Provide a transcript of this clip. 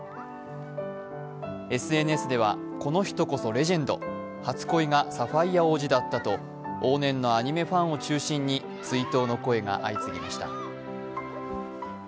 ＳＮＳではこの人こそレジェンド、初恋がサファイア王子だったと、往年のアニメファンを中心に追悼の声が相次ぎました。